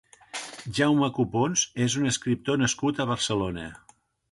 Jaume Copons és un escriptor nascut a Barcelona.